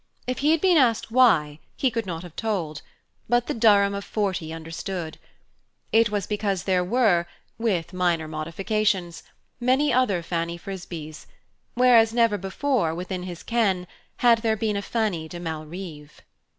If he had been asked why, he could not have told; but the Durham of forty understood. It was because there were, with minor modifications, many other Fanny Frisbees; whereas never before, within his ken, had there been a Fanny de Malrive.